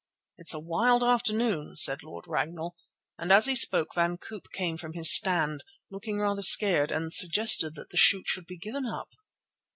"It's a wild afternoon," said Lord Ragnall, and as he spoke Van Koop came from his stand, looking rather scared, and suggested that the shoot should be given up.